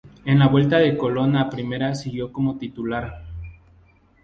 En la vuelta de Colón a primera siguió como titular.